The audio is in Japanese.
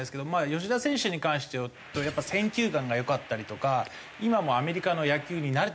吉田選手に関してはやっぱ選球眼が良かったりとか今もうアメリカの野球に慣れてきてるんですね。